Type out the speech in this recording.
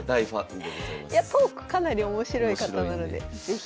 トークかなり面白い方なので是非。